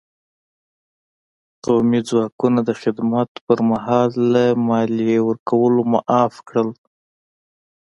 قومي ځواکونه د خدمت په مهال له مالیې ورکولو معاف کېدل.